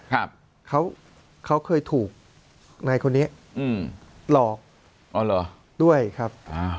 เขาเคยถูกใครคนนี้หรอกด้วยครับ